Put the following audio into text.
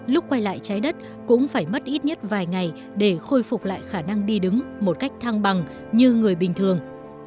lúc quay lại trái đất cũng phải mất ít nhất vài ngày để khôi phục lại khả năng đi đứng một cách thăng bằng như người bình thường